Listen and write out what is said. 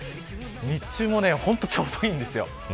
日中もちょうどいいんですよ。